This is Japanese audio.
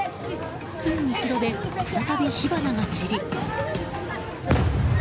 すぐ後ろで再び火花が散り。